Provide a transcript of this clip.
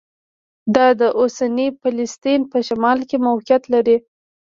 دا د اوسني فلسطین په شمال کې موقعیت لري.